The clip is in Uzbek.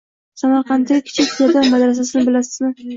Samarqanddagi Kichik Sherdor madrasasini bilasizmi?